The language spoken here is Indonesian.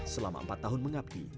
selama empat tahun mengabdi